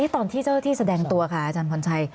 ตอนที่เจ้าหน้าที่แสดงตัวค่ะอาจารย์พรชัย